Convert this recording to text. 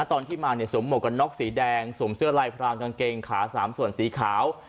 ตอนที่มาเนี่ยสวมหมวกกันน็อกสีแดงสวมเสื้อลายพรางกางเกงขาสามส่วนสีขาว